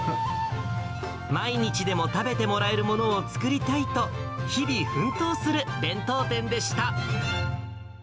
毎日でも食べてもらえるものを作りたいと、日々、奮闘する弁当店でした。